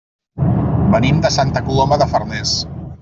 Venim de Santa Coloma de Farners.